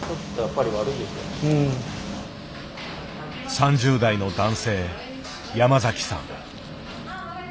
３０代の男性山崎さん。